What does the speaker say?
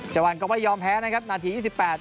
จังหวัดก็ว่ายอมแพ้นะครับนาที๒๘